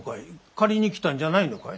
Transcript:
借りにきたんじゃないのかい？